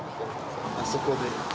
あそこで。